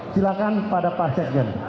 silahkan pada pak sekjen